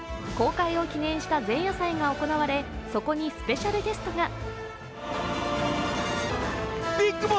公開を記念した前夜祭が行われ、そこにスペシャルゲストが。